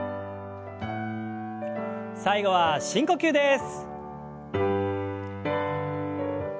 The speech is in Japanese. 最後は深呼吸です。